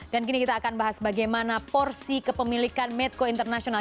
dan kini kita akan bahas bagaimana porsi kepemilikan medco internasional